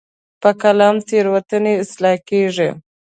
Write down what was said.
په قلم تیروتنې اصلاح کېږي.